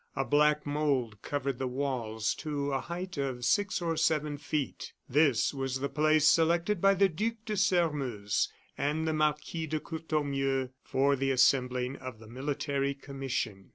A black mould covered the walls to a height of six or seven feet. This was the place selected by the Duc de Sairmeuse and the Marquis de Courtornieu for the assembling of the military commission.